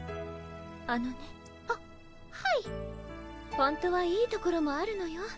本当はいいところもあるのよ